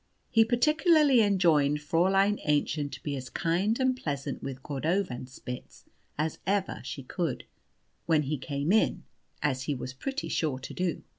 He particularly enjoined Fräulein Aennchen to be as kind and pleasant with Cordovanspitz as ever she could, when he came in as he was pretty sure to do.